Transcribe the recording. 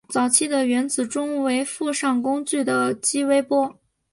早期的原子钟为附上工具的激微波。